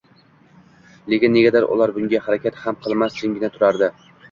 Lekin negadir ular bunga harakat ham qilmas, jimgina turardi.